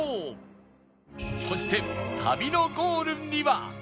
そして旅のゴールには